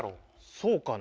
そうかな？